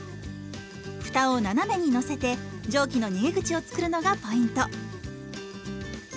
ふたを斜めにのせて蒸気の逃げ口を作るのがポイント。